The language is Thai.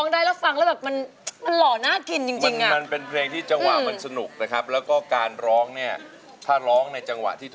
ถ้าใครได้ยินอย่างนี้นะอุ้ยพรีกายให้พี่เอเลยพรี